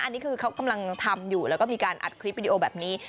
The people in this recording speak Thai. อันนี้คือเขากำลังทำอยู่แล้วก็มีการอัดคลิปวิดีโอแบบนี้